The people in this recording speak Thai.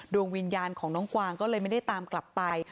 ดวงวิญญาณของน้องกวางก็เลยไม่ได้ตามกลับไป